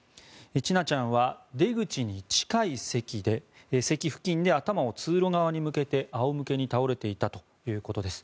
千奈ちゃんは出口に近い席付近で頭を通路側に向けて、仰向けに倒れていたということです。